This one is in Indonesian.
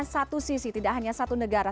satu sisi tidak hanya satu negara